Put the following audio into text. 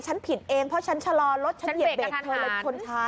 ฉันผิดเองเพราะฉันชะลอรถฉันเหยียบเบรกเธอเลยชนช้า